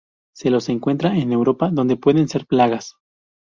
Se los encuentra en Europa, donde pueden ser plagas.